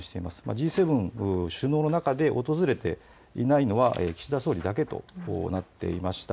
Ｇ７首脳の中で訪れていないのは岸田総理だけとなっていました。